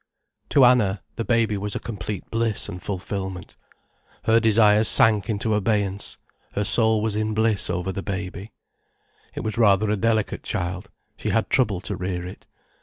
To Anna, the baby was a complete bliss and fulfilment. Her desires sank into abeyance, her soul was in bliss over the baby. It was rather a delicate child, she had trouble to rear it.